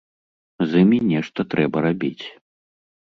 З імі нешта трэба рабіць.